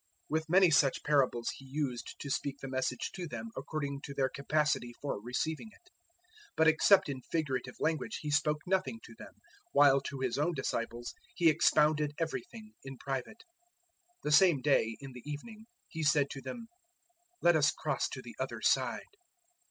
004:033 With many such parables He used to speak the Message to them according to their capacity for receiving it. 004:034 But except in figurative language He spoke nothing to them; while to His own disciples He expounded everything, in private. 004:035 The same day, in the evening, He said to them, "Let us cross to the other side."